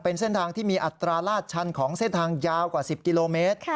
เป็นเส้นทางที่มีอัตราลาดชันของเส้นทางยาวกว่า๑๐กิโลเมตร